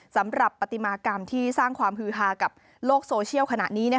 สำหรับปฏิมากรรมที่สร้างความฮือฮากับโลกโซเชียลขณะนี้